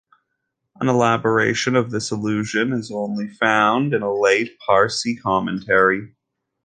An elaboration of this allusion is found only in a late Parsi commentary.